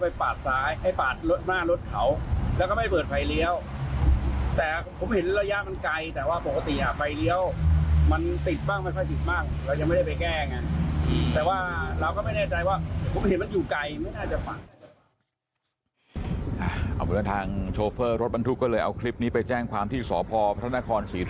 ให้ปาดซ้ายให้ปาดรถมารถเขาแล้วก็ไม่เปิดไฟเลี้ยวแต่ผมเห็นระยะมันไกลแต่ว่าปกติอ่ะไฟเลี้ยวมันติดบ้างมันค่อยติดบ้าง